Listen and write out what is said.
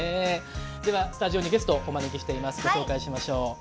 ではスタジオにゲストをお招きしていますご紹介しましょう。